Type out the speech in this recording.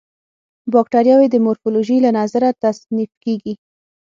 باکټریاوې د مورفولوژي له نظره تصنیف کیږي.